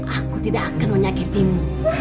aku tidak akan menyakitimu